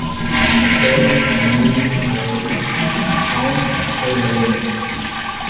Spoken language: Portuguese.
Raqueli, Kamily, Naeli, Kaun e Kailaine